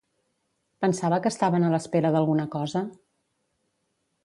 Pensava que estaven a l'espera d'alguna cosa?